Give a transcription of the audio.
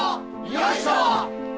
よいしょ！